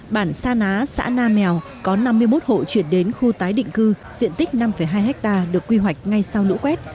bản sa ná xã nam mèo có năm mươi một hộ chuyển đến khu tái định cư diện tích năm hai ha được quy hoạch ngay sau lũ quét